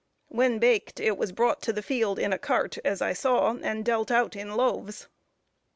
When baked, it was brought to the field in a cart, as I saw, and dealt out in loaves.